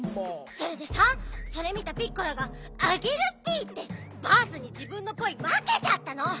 それでさそれ見たピッコラが「あげるッピ」ってバースにじぶんのパイわけちゃったの！